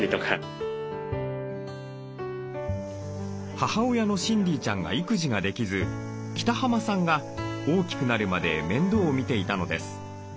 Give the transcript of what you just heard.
母親のシンディーちゃんが育児ができず北濱さんが大きくなるまで面倒を見ていたのです。